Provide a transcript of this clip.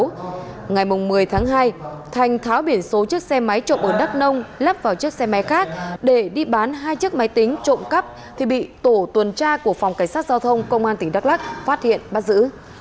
ngày một mươi tháng hai thành tháo biển số chiếc xe máy trộm ở đắk nông lắp vào chiếc xe máy khác để đi bán hai chiếc máy tính trộm cắp thì bị tổ tuần tra của phòng cảnh sát giao thông công an tỉnh đắk lắc phát hiện bắt giữ